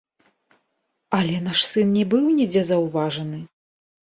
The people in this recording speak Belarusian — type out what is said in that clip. Але наш сын не быў нідзе заўважаны.